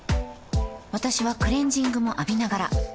私はクレジングも浴びながら